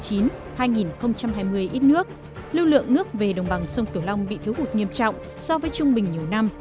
hai nghìn hai mươi ít nước lưu lượng nước về đồng bằng sông cửu long bị thiếu hụt nghiêm trọng so với trung bình nhiều năm